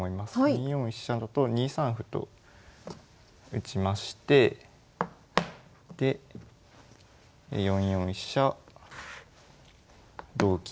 ２四飛車だと２三歩と打ちましてで４四飛車同金。